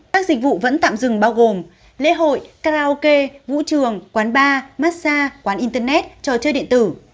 các dịch vụ vẫn tạm dừng bao gồm lễ hội karaoke vũ trường quán bar massage quán internet trò chơi điện tử